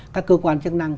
các cơ quan chức năng